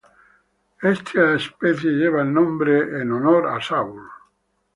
Esta especie lleva el nombre en honor a F. William Saul.